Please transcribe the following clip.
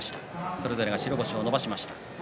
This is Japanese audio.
それぞれ白星を伸ばしました。